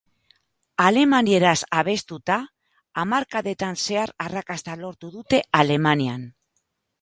Alemanieraz abestuta, hamarkadetan zehar arrakasta lortu dute Alemanian.